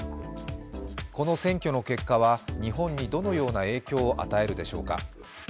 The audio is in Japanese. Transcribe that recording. この選挙の結果は日本にどのような影響を与えるでしょうか。